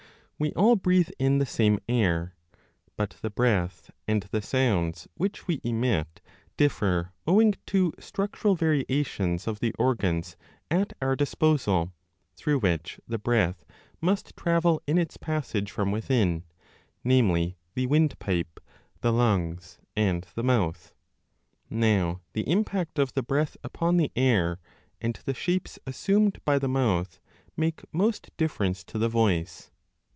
We all breathe in the same air, but the breath and the sounds which we emit differ owing to structural variations of the organs at our disposal, through which the breath must travel in its passage from within namely, the wind 20 pipe, the lungs, and the mouth. Now the impact of the breath upon the air and the shapes assumed by the mouth make most difference to the voice.